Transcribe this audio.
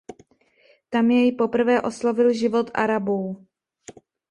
Tam jej poprvé oslovil život Arabů.